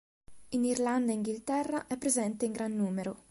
In Irlanda e Inghilterra è presente in gran numero.